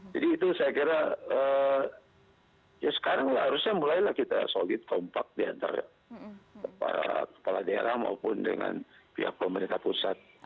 jadi itu saya kira ya sekarang harusnya mulailah kita solid kompak diantar kepala daerah maupun dengan pihak pemerintah pusat